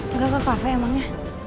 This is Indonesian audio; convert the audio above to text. enggak ke kafe emangnya